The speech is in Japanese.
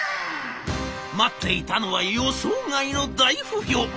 待っていたのは予想外の大不評。